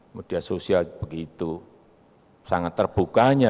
media sosial begitu sangat terbukanya